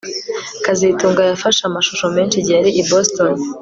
kazitunga yafashe amashusho menshi igihe yari i Boston